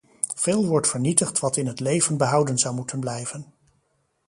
Veel wordt vernietigd wat in het leven behouden zou moeten blijven.